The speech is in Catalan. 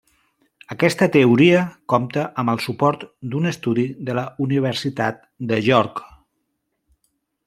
Aquesta teoria compta amb el suport d'un estudi de la Universitat de York.